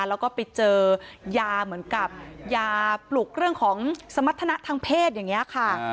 แล้วก็ไปเจอยาเหมือนกับยาปลุกเรื่องของสมรรถนะทางเพศอย่างนี้ค่ะ